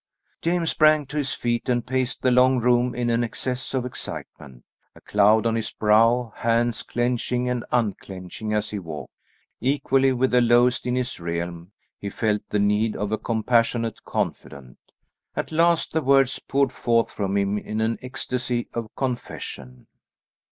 James sprang to his feet and paced the long room in an excess of excitement, a cloud on his brow; hands clenching and unclenching as he walked. Equally with the lowest in his realm he felt the need of a compassionate confidant. At last the words poured forth from him in an ecstasy of confession.